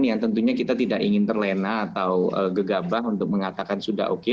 yang tentunya kita tidak ingin terlena atau gegabah untuk mengatakan sudah oke